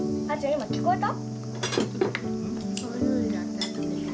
今聞こえた？